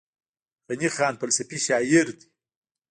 غني خان فلسفي شاعر دی.